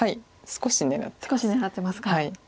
少し狙ってますか。